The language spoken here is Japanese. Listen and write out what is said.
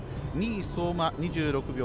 ２位、相馬、２６秒４８。